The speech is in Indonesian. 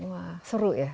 wah seru ya